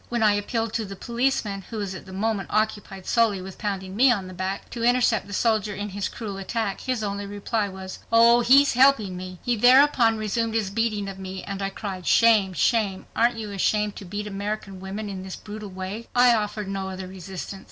When I appealed to the policeman, who was at the moment occupied solely with pounding me on the back, to intercept the soldier in his cruel attack, his only reply was: "Oh, he's helping me." He thereupon resumed his beating of me and I cried, "Shame, shame! Aren't you ashamed to beat American women in this brutal way?" I offered no other resistance.